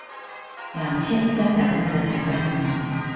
兩千三百萬的臺灣人民